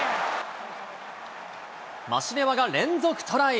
マシレワが連続トライ。